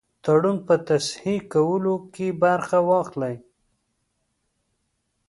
تړون په تصحیح کولو کې برخه واخلي.